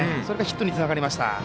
それがヒットにつながりました。